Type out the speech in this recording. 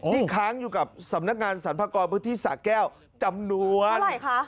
นี่ค้างอยู่กับสำนักงานสรรพากรพฤษภาคแก้วจำนวน